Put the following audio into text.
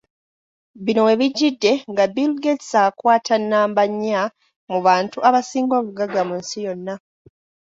Bino webijjidde nga Bill Gates akwata nnamba nya mu bantu abasinga obugagga mu nsi yonna .